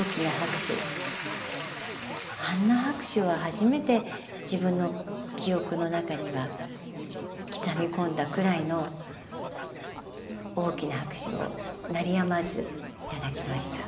あんな拍手は初めて自分の記憶の中には刻み込んだくらいの大きな拍手を鳴りやまず頂きました。